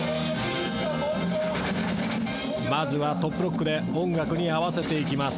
まずはトップロックで音楽に合わせていきます。